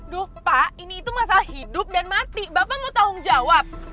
duh pak ini itu masalah hidup dan mati bapak nggak tanggung jawab